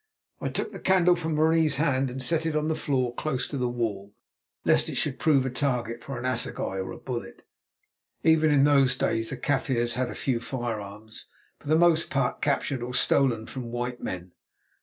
I took the candle from Marie's hand, and set it on the floor close to the wall, lest it should prove a target for an assegai or a bullet. Even in those days the Kaffirs had a few firearms, for the most part captured or stolen from white men.